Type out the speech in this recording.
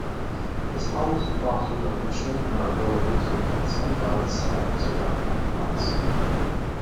This policy fosters our mission and our ability to advance unbiased science without compromise.